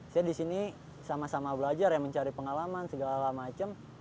saya di sini sama sama belajar ya mencari pengalaman segala macem